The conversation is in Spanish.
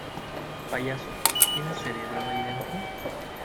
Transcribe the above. Payaso, ¿ tienes cerebro ahí dentro?